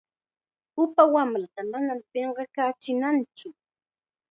Upa wamrata manam pinqakachinatsu.